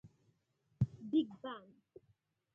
Big Bang!